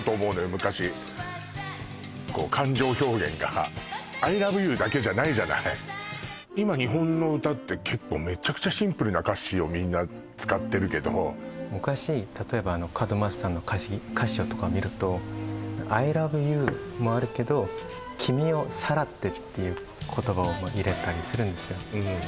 昔感情表現がＩｌｏｖｅｙｏｕだけじゃないじゃない今日本の歌って結構めちゃくちゃシンプルな歌詞をみんな使ってるけど昔例えば角松さんの歌詞とか見るとＩｌｏｖｅｙｏｕもあるけど「君をさらって」っていう言葉を入れたりするんですよ